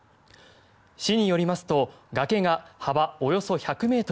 市によりますと崖が幅およそ１００ｍ